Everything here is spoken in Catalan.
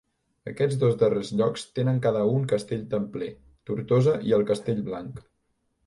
Aquests dos darrers llocs tenen cada un castell templer, Tortosa i el Castell Blanc.